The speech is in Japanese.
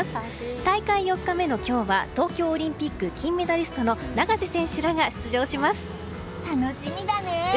大会４日目の今日は東京オリンピック金メダリストの永瀬選手らが楽しみだね！